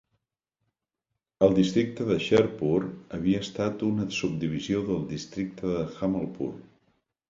El districte de Sherpur havia estat una subdivisió del districte de Jamalpur.